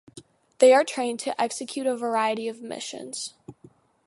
They are trained to execute a variety of missions.